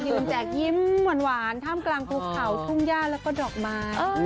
แจกยิ้มหวานท่ามกลางภูเขาทุ่งย่าแล้วก็ดอกไม้